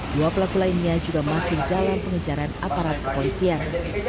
dua pelaku lainnya juga masih dalam pengejaran aparat kepolisian